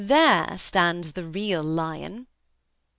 There stands the real lion."